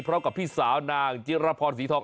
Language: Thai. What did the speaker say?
พร้อมกับพี่สาวนางจิรพรศรีทอง